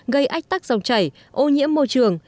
gây ách tắc dòng chảy ô nhiễm môi trường